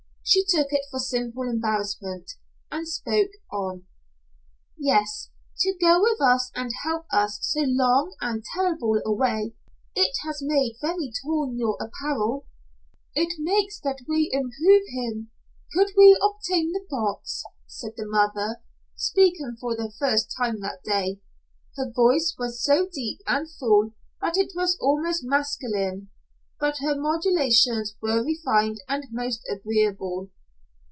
She took it for simple embarrassment, and spoke on. "Yes. To go with us and help us so long and terrible a way, it has made very torn your apparel." "It makes that we improve him, could we obtain the box," said the mother, speaking for the first time that day. Her voice was so deep and full that it was almost masculine, but her modulations were refined and most agreeable.